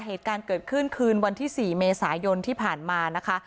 เหตุการณ์เกิดขึ้นคืนวันที่๔เมษายนที่ผ่านมานะคะ